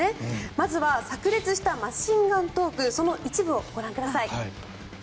まずはさく裂したマシンガントークの一部をご覧ください。